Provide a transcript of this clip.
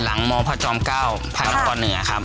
หลังมพเก้าพคเหนือครับ